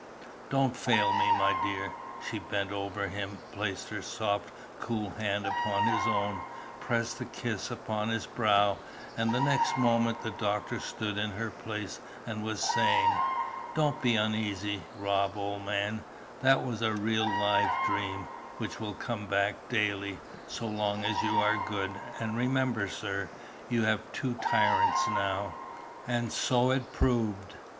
Don't fail me, my dear." She bent above him, placed her soft, cool hand upon his own, pressed a kiss upon his brow, and the next moment the doctor stood in her place, and was saying, "Don't be uneasy, Rob, old man; that was a real live dream, which will come back daily, so long as you are good, and remember, sir, you have two tyrants now." And so it proved.